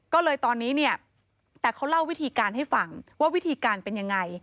ก็เลยตอนนี้เนี่ยแต่เขาเล่าวิธีการให้ฟังว่าวิธีการเป็นยังไง